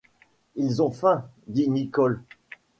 Ils ont faim, dit Nicholl.